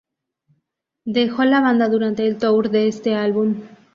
Dejó la banda durante el tour de este álbum.